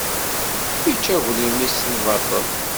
Ičča aglim-is di lbaṭel.